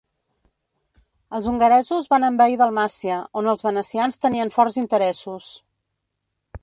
Els hongaresos van envair Dalmàcia, on els venecians tenien forts interessos.